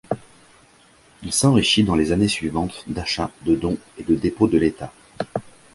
Il s'enrichit dans les années suivantes d'achats, de dons et de dépôts de l'État.